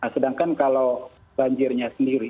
sedangkan kalau banjirnya sendiri